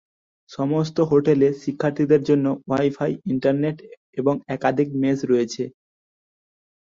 সমস্ত হোস্টেলে শিক্ষার্থীদের জন্য ওয়াই-ফাই ইন্টারনেট এবং একাধিক মেস রয়েছে।